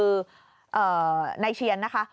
คือนายเชียนนะคะ